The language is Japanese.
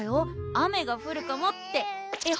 「雨がふるかも」って絵本！